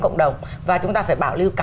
cộng đồng và chúng ta phải bảo lưu cả